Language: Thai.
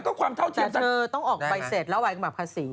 แต่ทีมีออกไปเสร็จตามความสงกต้าย